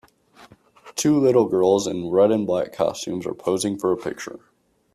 Two little girls in red and black costumes are posing for a picture